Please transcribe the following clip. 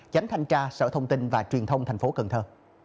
tránh thanh tra sở thông tin và truyền thông thành phố cần thơ